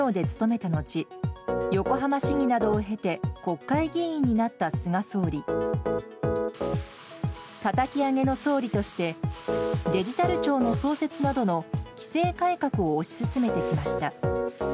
たたき上げの総理として、デジタル庁の創設などの規制改革を推し進めてきました。